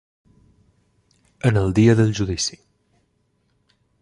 En el dia del judici.